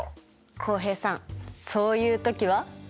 浩平さんそういう時は。